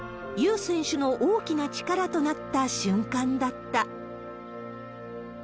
ユ選手の大きな力となった瞬間だった。